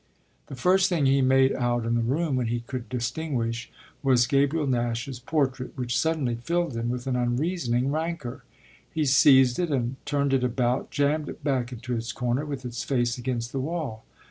The first thing he made out in the room, when he could distinguish, was Gabriel Nash's portrait, which suddenly filled him with an unreasoning rancour. He seized it and turned it about, jammed it back into its corner with its face against the wall.